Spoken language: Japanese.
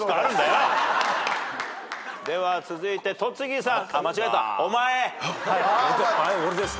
では続いて戸次さん。